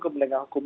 ke belengang hukum